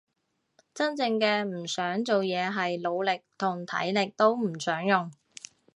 真正嘅唔想做嘢係腦力同體力都唔想用